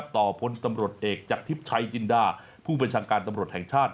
ต่อผลตำรวจเอกจากทิศชัยจินดาผู้เป็นช่างการตำรวจแห่งชาติ